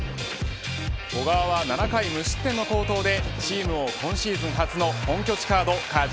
小川は７回無失点の好投でチームを今シーズン初の本拠地